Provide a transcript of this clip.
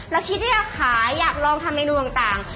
คิดที่จะขายอยากลองทำเมนูต่าง